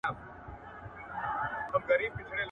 ممکن وروڼه به دي يو چم درته جوړ کړي.